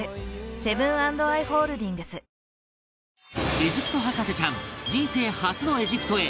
エジプト博士ちゃん人生初のエジプトへ